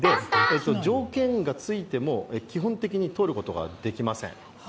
条件がついても、基本的に通ることができません。